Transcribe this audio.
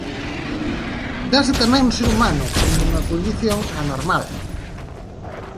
Dáse tamén no ser humano como unha condición anormal.